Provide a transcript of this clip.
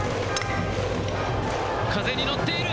風に乗っている。